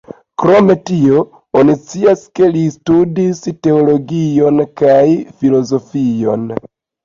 Krom tio, oni scias ke li studis teologion kaj filozofion.